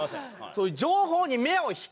そういう情報に目を光らせろ！